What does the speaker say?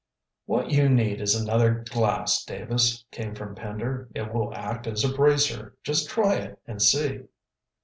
"What you need is another glass, Davis," came from Pender. "It will act as a bracer. Just try it and see."